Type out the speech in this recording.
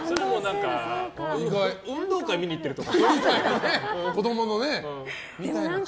運動会見に行ってる感じか。